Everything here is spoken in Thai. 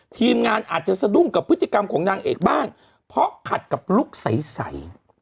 ทีมงานอาจจะสะดุ้งกับพฤติกรรมของนางเอกบ้างเพราะขัดกับลุคใส